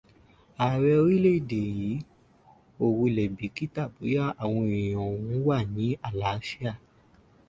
Ààrè orílẹ̀-èdè yí ò wulẹ̀ bìkítà bóyá àwọn èèyàn òun wà ní àlááfíà.